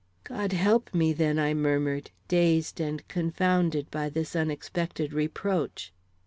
"God help me then!" I murmured, dazed and confounded by this unexpected reproach.